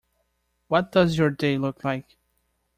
What does your day look like?